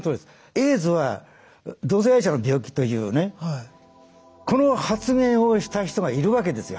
「エイズは同性愛者の病気」というねこの発言をした人がいるわけですよ